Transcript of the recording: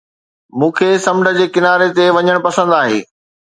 مون کي سمنڊ جي ڪناري تي وڃڻ پسند آهي.